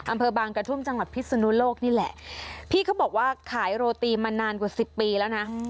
อำเภอบางกระทุ่มจังหวัดพิศนุโลกนี่แหละพี่เขาบอกว่าขายโรตีมานานกว่าสิบปีแล้วนะ